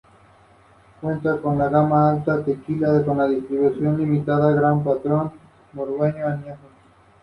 No conoces a esta gente.